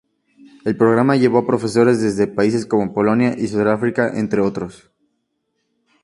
El programa llevó a profesores desde países como Polonia y Sudáfrica, entre otros.